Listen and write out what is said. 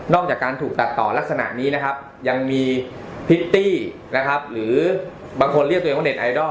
นอกจากการถูกตัดต่อลักษณะนี้นะครับยังมีนะครับหรือบางคนเรียกตัวเองว่า